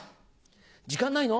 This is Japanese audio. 時間ないの？